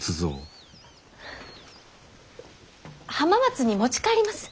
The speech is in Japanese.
浜松に持ち帰ります。